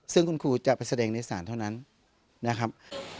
ซึ่งคุณครูจะไปแสดงในศาลเท่านั้นนะครับ